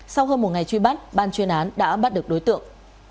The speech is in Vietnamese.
sau hơn một ngày truy bắt ban chuyên án đã bắt được đối tượng